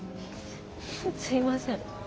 すいません。